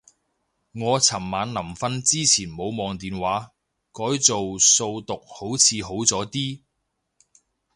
我尋晚臨瞓之前冇望電話，改做數獨好似好咗啲